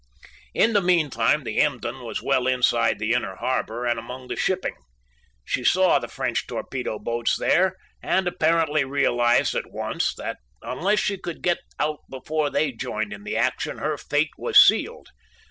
In the meantime the Emden was well inside the inner harbor and among the shipping. She saw the French torpedo boats there, and apparently realized at once that unless she could get out before they joined in the action her fate was sealed.